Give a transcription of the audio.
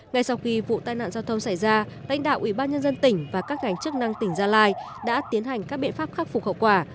ngay sau khi vụ tai nạn giao thông xảy ra lãnh đạo ủy ban nhân dân tỉnh và các ngành chức năng tỉnh gia lai đã tiến hành các biện pháp khắc phục hậu quả